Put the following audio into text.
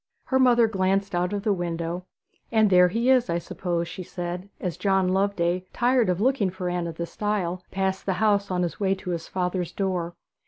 Her mother glanced out of the window. 'And there he is, I suppose,' she said, as John Loveday, tired of looking for Anne at the stile, passed the house on his way to his father's door.